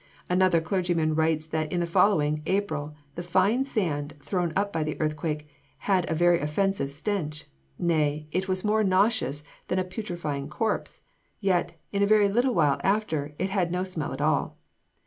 Another clergyman writes that in the following April the fine sand thrown up by the earthquake "had a very offensive stench nay, it was more nauseous than a putrefying corpse: yet, in a very little while after, it had no smell at all.